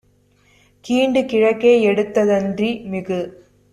கீண்டுகிழங் கேஎடுத்த தன்றி - மிகு